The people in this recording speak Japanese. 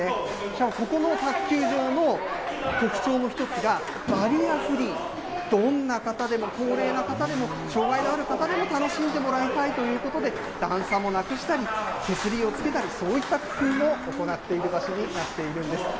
しかもここの卓球場の特徴の一つが、バリアフリー、どんな方でも、高齢の方でも、障害のある方でも楽しんでもらいたいということで、段差もなくしたり、手すりをつけたり、そういった工夫も行っている場所になっているんです。